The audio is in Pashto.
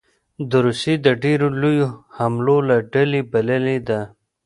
د روسیې د ډېرو لویو حملو له ډلې بللې ده